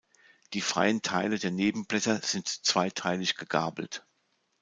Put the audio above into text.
Die freien Teile der Nebenblätter sind zweiteilig gegabelt.